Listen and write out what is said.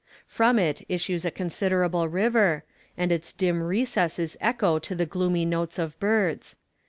From it issues a considerable river, and its dim recesses echo to the gloomy notes of birds.